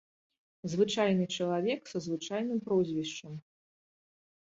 Звычайны чалавек са звычайным прозвішчам.